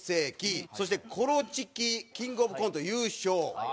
そしてコロチキキングオブコント優勝期。